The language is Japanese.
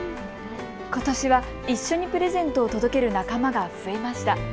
ことしは一緒にプレゼントを届ける仲間が増えました。